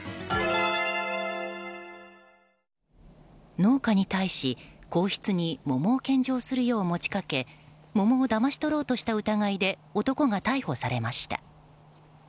農家に対し、皇室に桃を献上するよう持ち掛け桃をだまし取ろうとした疑いで男が逮捕されました。